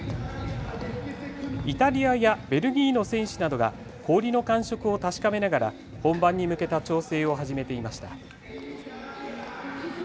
イタリアやベルギーの選手などが、氷の感触を確かめながら、本番に向けた調整を始めていました。